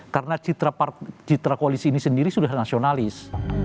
karena citra koalisi ini sendiri sudah nasionalis